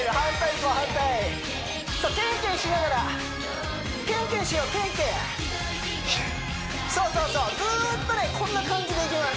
こう反対ケンケンしながらケンケンしようケンケンそうそうそうずっとねこんな感じでいきます